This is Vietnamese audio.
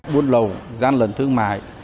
buôn lầu gian lần thương mại